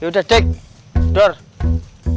yaudah dek dork